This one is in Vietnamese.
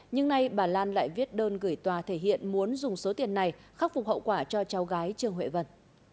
nhưng nay bà lan lại viết đơn gửi tòa thể hiện muốn dùng số tiền này khắc phục hậu quả cho cháu gái trương huệ vân